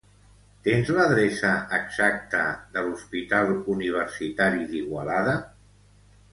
Tens l'adreça exacta de l'Hospital Universitari d'Igualada?